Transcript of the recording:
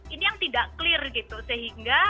ini yang tidak clear gitu sehingga